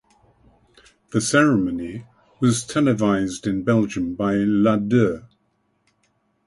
The ceremony was televised in Belgium by La Deux.